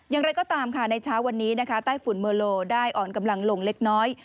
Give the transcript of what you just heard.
อย่างไรก็ตามค่ะในเช้าวันนี้นะคะใต้ฝุ่นเมอร์โลได้อ่อนกำลังลงเล็กน้อย